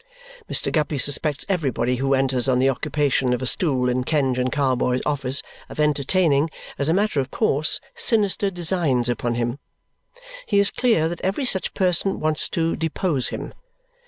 Mr. Guppy suspects everybody who enters on the occupation of a stool in Kenge and Carboy's office of entertaining, as a matter of course, sinister designs upon him. He is clear that every such person wants to depose him.